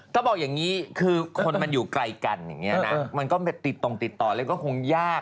ถ้าบอกอย่างนี้คือคนมันอยู่ไกลกันอย่างนี้นะมันก็ติดตรงติดต่อเลยก็คงยาก